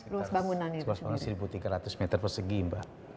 luasnya sekitar seribu tiga ratus meter persegi mbak